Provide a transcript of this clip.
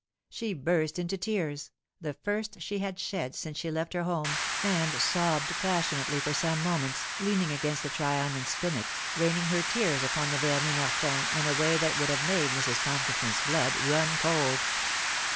She burst into tears, the first she had shed since she left her home, and sobbed passionately for some moments, leaning against the Trianon spinet, raining her tears upon the vernis Martin in a way that would have made Mrs. Tomkison's blood run cold.